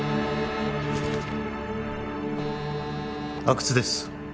阿久津です